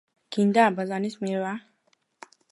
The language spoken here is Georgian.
გინდა აბაზანის მიღება?